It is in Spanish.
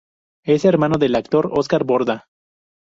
Es hermano del actor Óscar Borda.